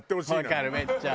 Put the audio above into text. わかるめっちゃ。